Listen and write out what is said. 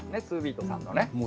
ツービートさんの。